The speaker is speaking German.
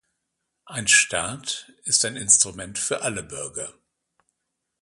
Ein Staat ist ein Instrument für alle Bürger.